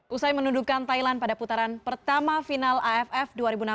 usai menundukkan thailand pada putaran pertama final aff dua ribu enam belas